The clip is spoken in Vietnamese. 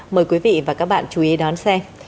mời quý vị và các bạn chú ý đón xem